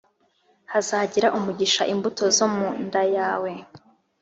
hazagira umugisha imbuto zo mu nda yawe